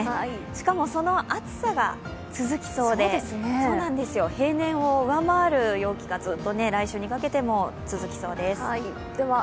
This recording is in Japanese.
しかもその暑さが続きそうで平年を上回る陽気が来週にかけても続きそうです。